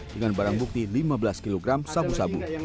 dengan barang bukti lima belas kg sabu sabu